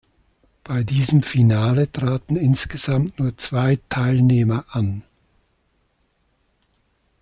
Bei diesem Finale traten insgesamt nur zwei Teilnehmer an.